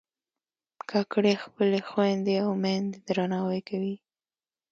کاکړي خپلې خویندې او میندې درناوي کوي.